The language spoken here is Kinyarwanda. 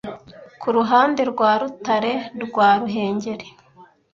Kuruhande rwa rutare rwa Ruhengeri